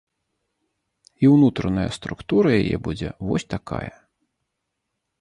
І ўнутраная структура яе будзе вось такая.